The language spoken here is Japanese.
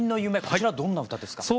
こちらどんな歌ですか？